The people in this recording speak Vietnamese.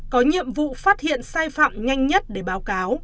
có nhiệm vụ phát hiện sai phạm nhanh nhất để báo cáo